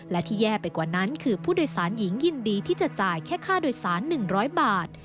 และที่แย่ไปกว่านั้นคือผู้โดยสารหญิงยินดีที่จะจ่ายแค่ค่าโดยสาร๑๐๐บาท